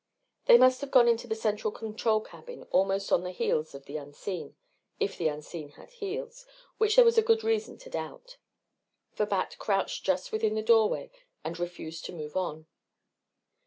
They must have gone into the control cabin almost on the heels of the unseen if the unseen had heels, which there was good reason to doubt for Bat crouched just within the doorway and refused to move on.